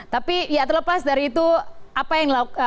tapi ya terlepas dari itu apa yang dilakukan